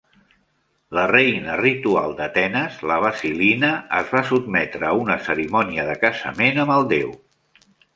La reina ritual d'Atenes, la basilina, es va sotmetre a una cerimònia de casament amb el déu.